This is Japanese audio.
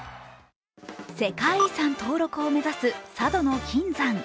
世界遺産登録を目指す佐渡島の金山。